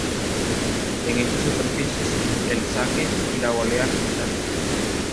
En estas superficies el saque y la volea resultan decisivos.